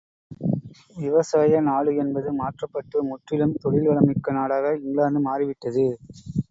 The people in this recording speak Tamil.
விவசாய நாடு என்பது மாற்றப்பட்டு முற்றிலும் தொழில்வளம் மிக்க நாடாக இங்கிலாந்து மாறிவிட்டது.